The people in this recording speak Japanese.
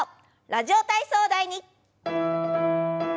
「ラジオ体操第２」。